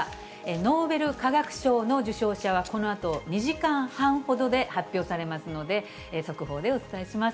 ノーベル化学賞の受賞者は、このあと２時間半ほどで発表されますので、速報でお伝えします。